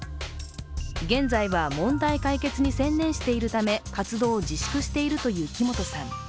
現在は問題解決に専念しているため活動を自粛しているという木本さん。